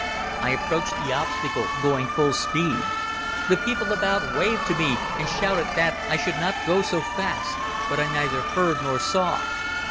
I approached the obstacle, going full speed. The people about waved to me and shouted that I should not go so fast, but I neither heard nor saw.